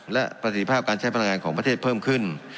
และประสิทธิภาพการใช้พลังงานของประเทศเพิ่มขึ้น